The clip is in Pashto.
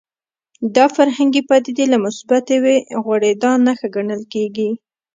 دا فرهنګي پدیدې که مثبتې وي غوړېدا نښه ګڼل کېږي